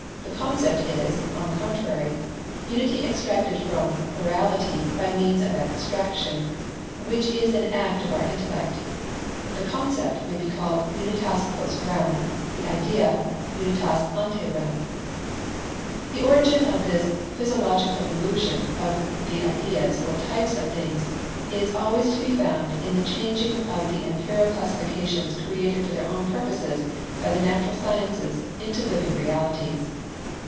The concept is, on the contrary, unity extracted from plurality by means of abstraction, which is an act of our intellect. The concept may be called unitas post rem, the idea unitas ante rem." The origin of this psychological illusion of the ideas or types of things is always to be found in the changing of the empirical classifications created for their own purposes by the natural sciences, into living realities.